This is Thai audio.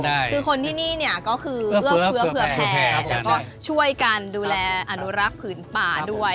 คือคนที่นี่เนี่ยก็คือเผื่อแพร่ก็ช่วยกันดูแลอนุรักษ์ผืนป่าด้วย